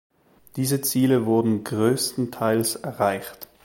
Diese Ziele wurden größtenteils erreicht.